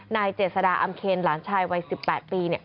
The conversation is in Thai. นายเจษดาอำเคนหลานชายวัย๑๘ปี